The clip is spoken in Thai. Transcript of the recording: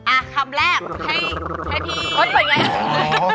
อ่ะคำแรกให้พี่เฮ้ยเปิดไง